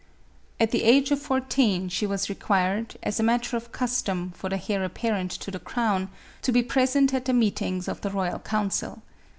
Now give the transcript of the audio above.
At the age of fourteen, she was required, as a matter of custom for the heir apparent to the crown, to be present at the meetings of the royal council.